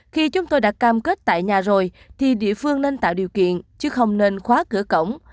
khi chúng tôi đã cam kết tại nhà rồi thì địa phương nên tạo điều kiện chứ không nên khóa cửa cổng